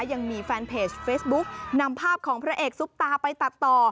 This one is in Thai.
ยังมีแฟนเพจเฟซบุ๊กนำภาพของพระเอกซุปตาไปตัดต่อ